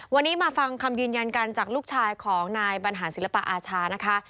วันนี้มาฟังคำยืนยันกันจากลูกชายของนายบรรหารศิลปอาชานะคะ